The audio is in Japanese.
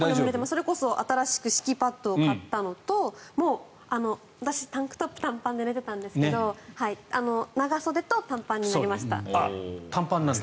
それこそ新しく敷きパッドを買ったのと昔、タンクトップ、短パンで寝ていたんですけど短パンなんだ。